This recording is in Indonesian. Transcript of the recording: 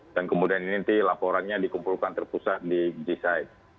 dan kemudian ini nanti laporannya dikumpulkan terpusat di g site